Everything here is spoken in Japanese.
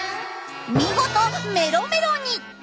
見事メロメロに！